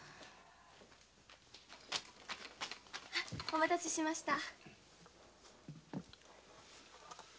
お待たせしました。